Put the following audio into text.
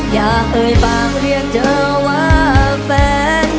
อย่าเคยฝากเรียกเธอว่าแฟน